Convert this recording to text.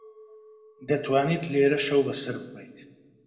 دەتوانیت لێرە شەو بەسەر ببەیت.